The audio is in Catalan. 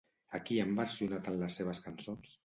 A qui han versionat en les seves cançons?